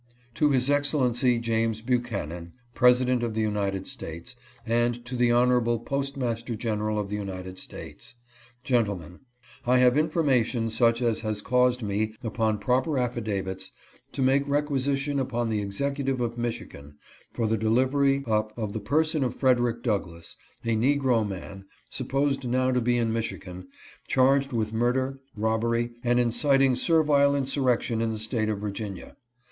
To His Excellency James Buchanan, President of the United States, and to the Honorable Postmaster General of the United States : Gentlemen — I have information such as has caused me, upon proper affidavits, to make requisition upon the Executive of Michigan for the delivery up of the person of Frederick Douglass, a negro man, supposed now to be in Michigan, charged with murder, robbery, and inciting servile insurrection in the State of Virginia.